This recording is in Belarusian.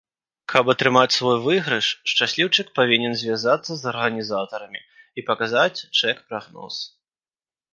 Каб атрымаць свой выйгрыш, шчасліўчык павінен звязацца з арганізатарамі і паказаць чэк-прагноз.